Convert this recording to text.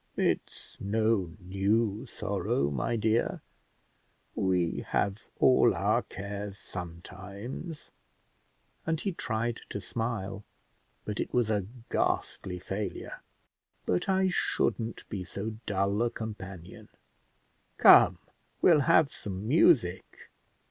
it's no new sorrow, my dear; we have all our cares sometimes;" and he tried to smile, but it was a ghastly failure; "but I shouldn't be so dull a companion; come, we'll have some music."